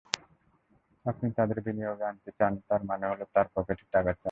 আপনি তাঁদের বিনিয়োগে আনতে চান, তার মানে হলো তাঁর পকেটের টাকা চান।